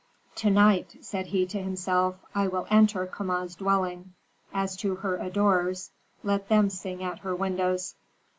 "To night," said he to himself, "I will enter Kama's dwelling; as to her adorers let them sing at her windows."